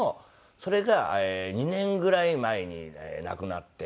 それが２年ぐらい前に亡くなって。